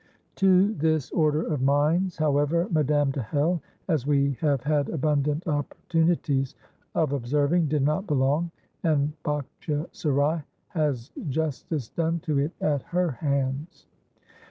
To this order of minds, however, Madame de Hell, as we have had abundant opportunities of observing, did not belong, and Bagtche Serai has justice done to it at her hands.